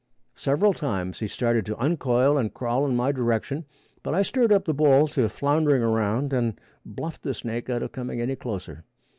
Several times he started to uncoil and crawl in my direction, but I stirred up the bull to floundering around and bluffed the snake out of coming any closer.